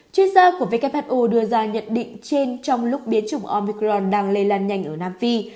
chuyên gia của who đưa ra nhận định trên trong lúc biến chủng omicron đang lây lan nhanh ở nam phi